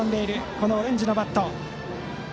このオレンジのバット。